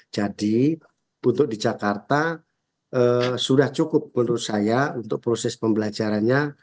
jadi untuk di jakarta sudah cukup menurut saya untuk proses pembelajarannya